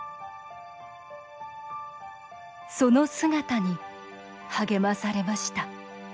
その姿に励まされました。